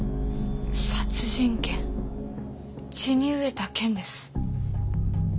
殺人剣血に飢えた剣です。